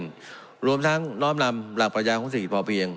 และรวมทั้งล้อมนำหลักปัญญาของศิษย์ภาพเพียง